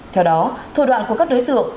theo đó thủ đoạn của các đối tượng